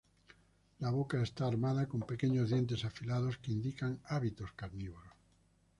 La boca está armada con pequeños dientes afilados que indican hábitos carnívoros.